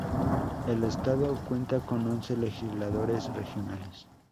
El estado cuenta con once legisladores regionales.